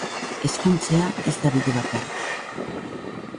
Ezkontzea ez da bide bakarra.